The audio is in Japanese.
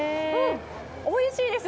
おいしいです！